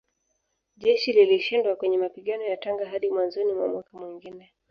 Jeshi lilishindwa kwenye mapigano ya Tanga hadi mwanzoni mwa mwaka mwingine